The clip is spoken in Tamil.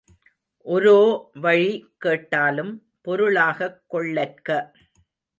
ஒரோவழி கேட்டாலும் பொருளாகக் கொள்ளற்க.